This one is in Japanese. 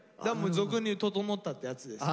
俗に言う整ったってやつですよね。